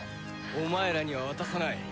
お前らには渡さない！